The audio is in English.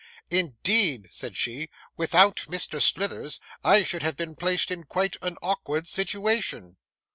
'Indeed,' said she, 'without Mr. Slithers I should have been placed in quite an awkward situation.